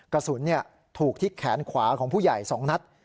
กระสุนถูกที่แขนขวาของผู้ใหญ่๒นัด